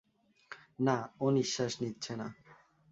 না, ও নিশ্বাস নিচ্ছে না।